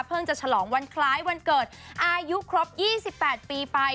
จะฉลองวันคล้ายวันเกิดอายุครบ๒๘ปีไป